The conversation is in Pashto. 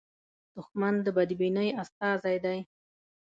دښمن د بدبینۍ استازی دی